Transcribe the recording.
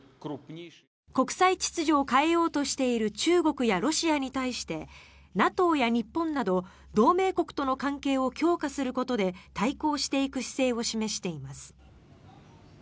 国際秩序を変えようとしている中国やロシアに対してＮＡＴＯや日本など同盟国との関係を強化することで対抗していく姿勢を示しています。